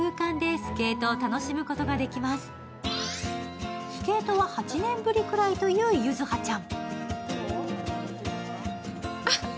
スケートは８年ぶりくらいという柚葉ちゃん。